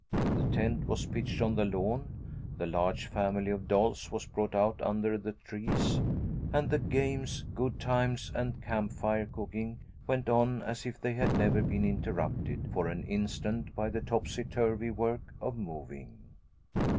The tent was pitched on the lawn, the large family of dolls was brought out under the trees, and the games, good times, and camp fire cooking went on as if they had never been interrupted for an instant by the topsy turvy work of moving.